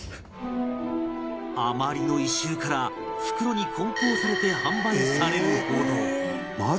あまりの異臭から袋に梱包されて販売されるほど